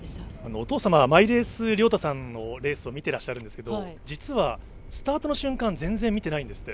お父様は毎レース、亮太さんのレースを見ていらっしゃるんですが実はスタートの瞬間全然見てないんですって。